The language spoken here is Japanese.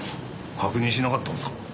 確認しなかったんですか？